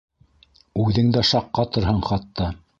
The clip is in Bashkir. Үҙең дә шаҡ ҡатырһың хатта.